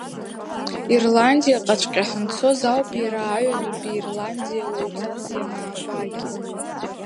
Ирландиаҟаҵәҟьа ҳанцоз ауп иара Аҩадатәи Ирландиа уаҩҵас ианаабагьы.